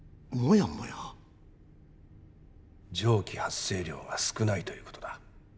蒸気発生量が少ないということだ。